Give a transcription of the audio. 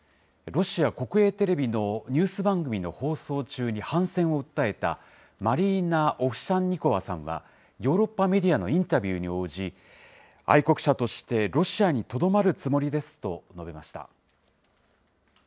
ロシア国営テレビのニュース番組の放送中に反戦を訴えた、マリーナ・オフシャンニコワさんは、ヨーロッパメディアのインタビューに応じ、愛国者としてロシアにとどまるつもりですと述べました。